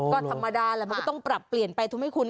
ก็ธรรมดาแหละมันก็ต้องปรับเปลี่ยนไปถูกไหมคุณ